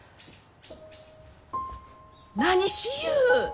何しゆう？